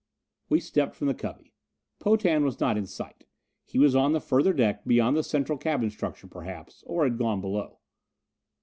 We stepped from the cubby. Potan was not in sight; he was on the further deck beyond the central cabin structure perhaps, or had gone below.